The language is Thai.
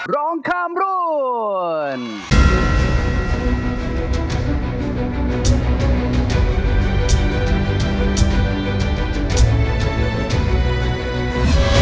ร้องข้ามรุ่น